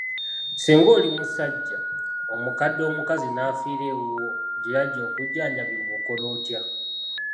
"Singa oli musajja, omukadde omukazi n’afiira ewuwo gye yajja okujjanjabibwa okola otya?"